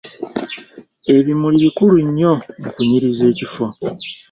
Ebimuli bikulu nnyo mu kunyiriza ekifo.